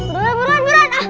buruan buruan buruan